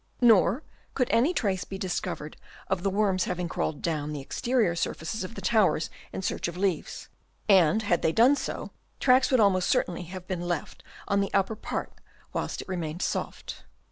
Nor could any trace be discovered of the worms having crawled down the ex terior surfaces of the towers in search of leaves; and had they done so, tracks would almost certainly have been left on the upper part whilst it remained soft.